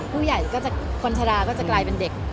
ผู้ใหญ่ก็จะคนชะลาก็จะกลายเป็นเด็ก